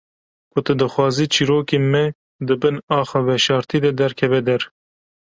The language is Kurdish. Ku tu dixwazî çîrokên me di bin axa veşartî de derkeve der.